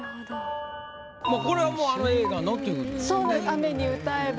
これはもうあの映画のということですよね。